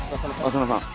浅野さん。